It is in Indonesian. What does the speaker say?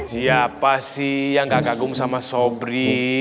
siapa sih yang gak kagum sama sobri